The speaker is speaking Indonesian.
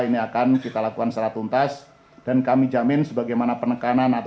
melakukan pelanggaran pidana yang tidak dijatuhi hukuman lebih berat